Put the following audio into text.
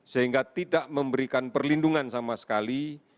sehingga tidak memberikan perlindungan sama sekali